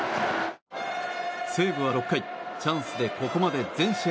西武は６回チャンスで全試合